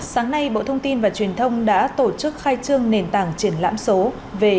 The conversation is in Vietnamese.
sáng nay bộ thông tin và truyền thông đã tổ chức khai trương nền tảng triển lãm số về